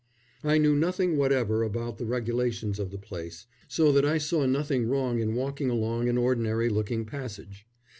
I knew nothing whatever about the regulations of the place, so that I saw nothing wrong in walking along an ordinary looking passage.